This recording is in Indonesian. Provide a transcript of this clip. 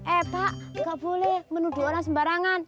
eh pak gak boleh menuduh orang sembarangan